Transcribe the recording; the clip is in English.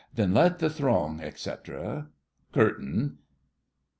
Then let the throng, etc. CURTAIN.